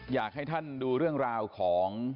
อยากให้ท่านดูเรื่องราวของ